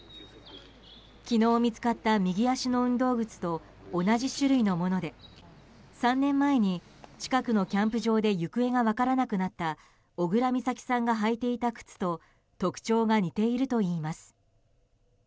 昨日見つかった右足の運動靴と同じ種類のもので３年前に、近くのキャンプ場で行方が分からなくなった小倉美咲さんが履いていた靴と特徴が似ているといいます。